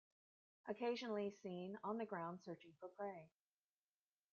Occasionally seen on the ground searching for prey.